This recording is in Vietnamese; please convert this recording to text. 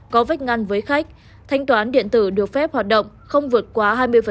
có vách ngăn với khách thanh toán điện tử được phép hoạt động không vượt quá hai mươi